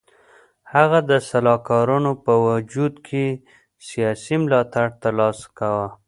هغه د سلاکارانو په وجود کې سیاسي ملاتړ تر لاسه کاوه.